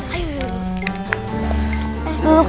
eh dulu dulu yuk